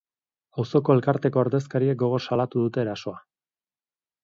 Auzoko elkarteko ordezkariek gogor salatu dute erasoa.